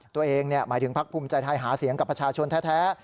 ตัวเองหมายถึงภักดิ์ภูมิใจไทยหาเสียงกับประชาชนแท้